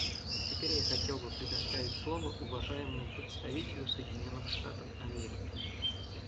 Теперь я хотел бы предоставить слово уважаемому представителю Соединенных Штатов Америки.